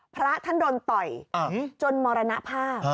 พระท่านโดนต่อยจนมรณภาพ